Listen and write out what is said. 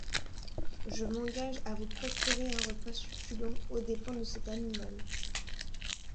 Je m’engage à vous procurer un repas succulent aux dépens de cet animal.